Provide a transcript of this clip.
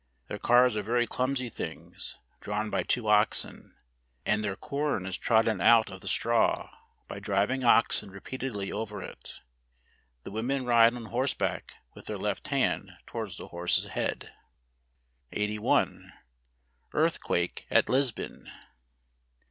Their cars are very clumsy things, drawn by two oxen; and their corn is trodden out of the straw, by driving oxen repeatedly over it. The women ride on horseback with their left hand towards the horse's head. 96 PORTUGAL. 81 . Earthquake at Lisbon.